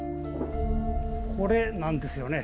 これなんですよね。